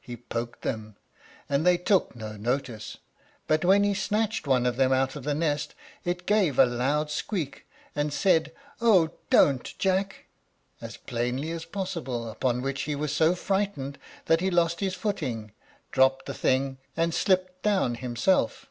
He poked them, and they took no notice; but when he snatched one of them out of the nest, it gave a loud squeak, and said, "O don't, Jack!" as plainly as possible, upon which he was so frightened that he lost his footing, dropped the thing, and slipped down himself.